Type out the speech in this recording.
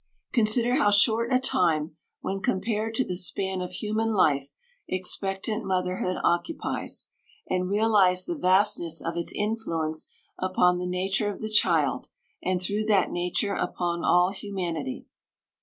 Consider how short a time, when compared to the span of human life, expectant motherhood occupies, and realize the vastness of its influence upon the nature of the child, and through that nature upon all humanity.